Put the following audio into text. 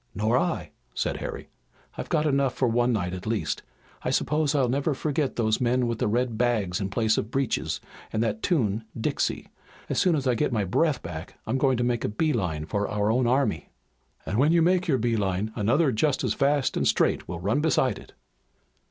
"Nor I," said Harry. "I've got enough for one night at least. I suppose I'll never forget those men with the red bags in place of breeches, and that tune, 'Dixie.' As soon as I get my breath back I'm going to make a bee line for our own army." "And when you make your bee line another just as fast and straight will run beside it."